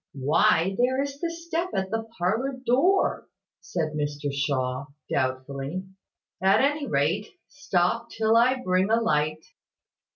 "Why, there is the step at the parlour door," said Mr Shaw, doubtfully. "At any rate, stop till I bring a light."